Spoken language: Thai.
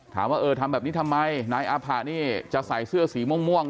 ถามว่าเออทำแบบนี้ทำไมนายอาผะนี่จะใส่เสื้อสีม่วง